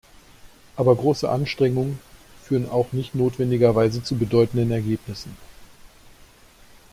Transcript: Aber große Anstrengungen führen auch nicht notwendigerweise zu bedeutenden Ergebnissen.